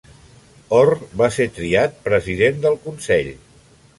Orr va ser triat President del Consell.